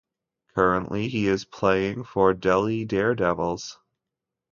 Currently, he is playing for Delhi Daredevils.